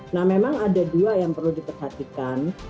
nah memang ada dua yang perlu diperhatikan